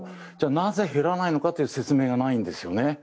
なぜ、減らないのかという説明がないんですね。